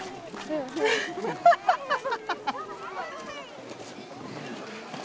アハハハハ！